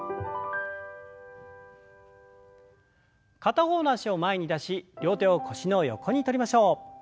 片方の脚を前に出し両手を腰の横にとりましょう。